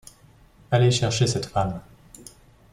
Allez chercher cette femme…